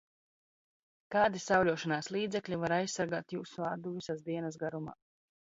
Kādi sauļošanās līdzekļi var aizsargāt jūsu ādu visas dienas garumā?